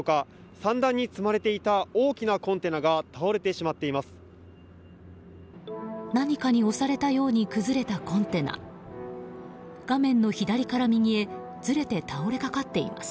３段に積まれていた大きなコンテナが倒れてしまっています。